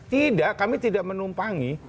tidak kami tidak menumpangi